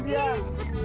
bapak ini aduh